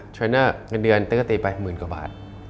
เทรนเนอร์กันเดือนปกติไป๑๐๐๐๐กว่าบาท